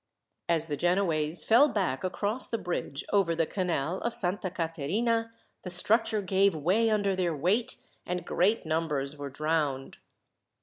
As the Genoese fell back across the bridge over the Canal of Santa Caterina, the structure gave way under their weight, and great numbers were drowned.